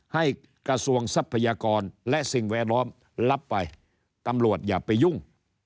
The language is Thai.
กระทรวงทรัพยากรและสิ่งแวดล้อมรับไปตำรวจอย่าไปยุ่ง